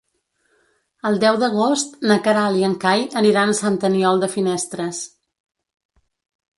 El deu d'agost na Queralt i en Cai aniran a Sant Aniol de Finestres.